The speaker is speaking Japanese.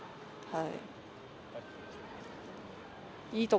はい。